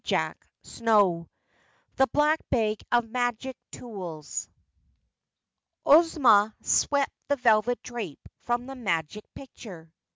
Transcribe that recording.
CHAPTER 25 The Black Bag of Magic Tools Ozma swept the velvet drape from the Magic Picture.